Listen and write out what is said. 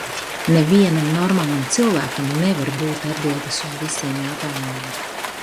Nevienam normālam cilvēkam nevar būt atbildes uz visiem jautājumiem.